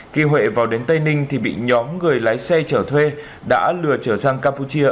khi huệ vào đến tây ninh bị nhóm người lái xe trở thuê đã lừa trở sang campuchia